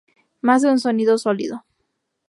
Más de un sonido sólido.